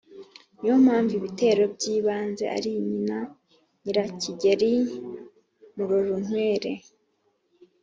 niyo mpamvu ibitero by'ibanze ari nyina nyirakigeri murorunkwere